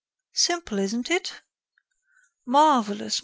Simple, isn't it?" "Marvelous!